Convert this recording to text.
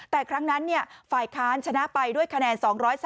แต่ครั้งนั้นฝ่ายค้านชนะไปด้วยคะแนน๒๓